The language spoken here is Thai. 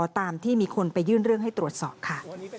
ตามที่มีคนไปยื่นเรื่องให้ตรวจสอบค่ะ